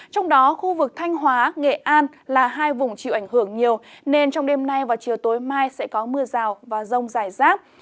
trong đó khu vực thanh hóa nghệ an là hai vùng chịu ảnh hưởng nhiều nên trong đêm nay và chiều tối mai sẽ có mưa rào và rông rải rác